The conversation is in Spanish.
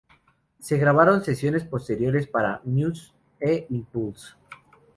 Se grabaron sesiones posteriores para Muse e Impulse!.